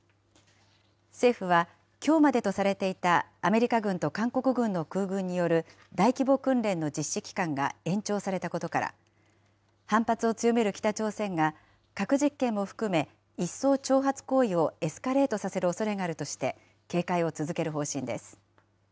政府は、きょうまでとされていたアメリカ軍と韓国軍の空軍による、大規模訓練の実施期間が延長されたことから、反発を強める北朝鮮が、核実験も含め、一層挑発行為をエスカレートさせるおそれがあるとして、警戒を続ける方針です。